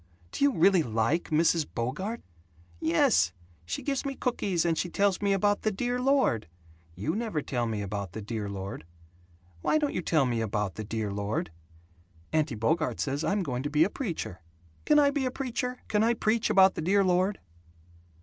Do you really like Mrs. Bogart?" "Yes. She gives me cookies and she tells me about the Dear Lord. You never tell me about the Dear Lord. Why don't you tell me about the Dear Lord? Auntie Bogart says I'm going to be a preacher. Can I be a preacher? Can I preach about the Dear Lord?"